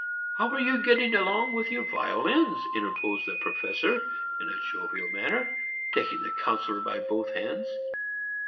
"How are you getting on with your violins?" interposed the Professor in a jovial manner, taking the Councillor by both hands.